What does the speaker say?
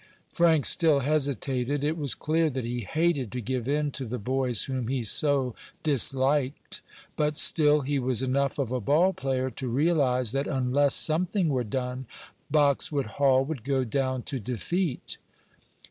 Frank still hesitated. It was clear that he hated to give in to the boys whom he so disliked, but still he was enough of a ball player to realize that unless something were done Boxwood Hall would go down to defeat.